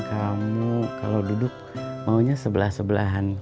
kamu mau duduk dua sebelah sebelahan